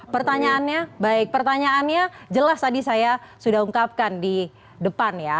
pertanyaannya baik pertanyaannya jelas tadi saya sudah ungkapkan di depan ya